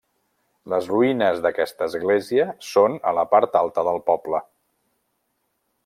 Les ruïnes d'aquesta església són a la part alta del poble.